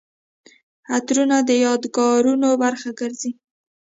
عطرونه د یادګارونو برخه ګرځي.